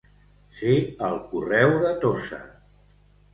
Ser el correu de Tossa.